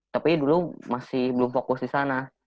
tapi dulu masih belum fokus di sana